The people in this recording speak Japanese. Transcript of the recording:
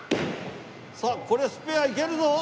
さあこれはスペアいけるぞ！